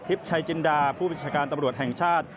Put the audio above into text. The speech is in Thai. ชัยจินดาผู้บัญชาการตำรวจแห่งชาติ